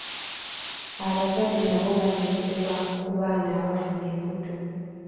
Abazadde nabo banenyezebwa ku baana abafuna embuto.